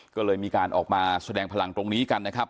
ก็เลยมีการออกมาแสดงพลังตรงนี้กันนะครับ